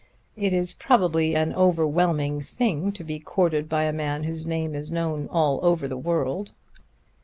It is probably an overwhelming thing to be courted by a man whose name is known all over the world.